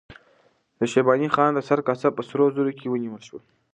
د شیباني خان د سر کاسه په سرو زرو کې ونیول شوه.